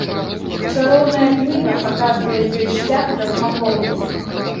Чароўная кніга паказвае ёй шлях да смакоўніцы.